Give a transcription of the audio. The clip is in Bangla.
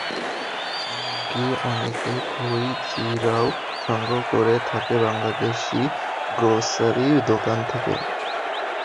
এমনকি অনেকে খই, চিরাও সংগ্রহ করে থাকে বাংলাদেশি গ্রোসারি দোকান থেকে।